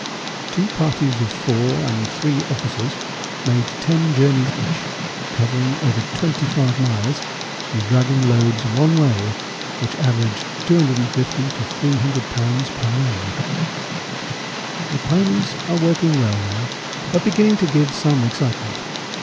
Two parties of four and three officers made ten journeys each, covering over 25 miles and dragging loads one way which averaged 250 to 300 lbs. per man. The ponies are working well now, but beginning to give some excitement.